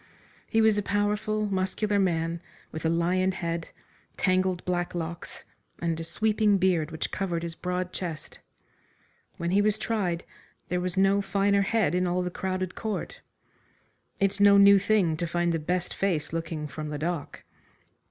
He was a powerful, muscular man, with a lion head, tangled black locks, and a sweeping beard which covered his broad chest. When he was tried, there was no finer head in all the crowded court. It's no new thing to find the best face looking from the dock.